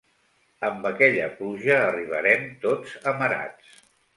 Amb aquella pluja arribàrem tots amarats.